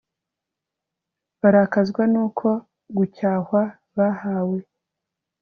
barakazwa nuko gucyahwa bahawe